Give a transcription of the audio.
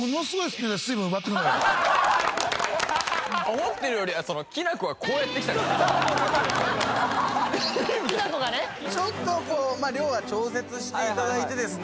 思ってるよりはきな粉がこうやってきたからちょっと量は調節していただいてですね